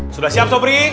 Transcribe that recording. sudah siap sobri